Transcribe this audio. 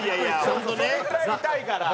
それぐらい痛いから。